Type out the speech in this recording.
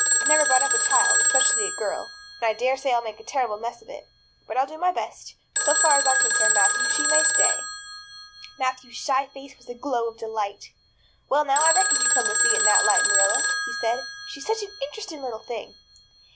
I've never brought up a child, especially a girl, and I dare say I'll make a terrible mess of it. But I'll do my best. So far as I'm concerned, Matthew, she may stay." Matthew's shy face was a glow of delight. "Well now, I reckoned you'd come to see it in that light, Marilla," he said. "She's such an interesting little thing."